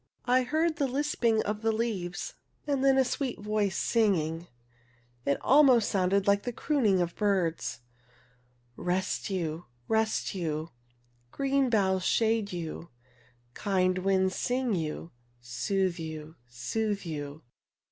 I heard the lisping of the leaves and then a sweet voice sing ing; it sounded almost like the crooning of birds — Rest you, rest you, Green boughs shade you, Kind winds sing you, Soothe you, soothe you.